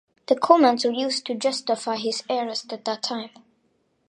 The comments were used to justify his arrest at the time.